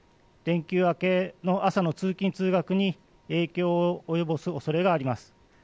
連休明けの朝の通勤・通学に、影響を及ぼすおそれがあります。